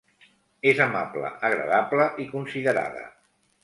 És amable, agradable i considerada.